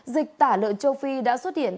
dịch tả lợn châu phi đã xuất hiện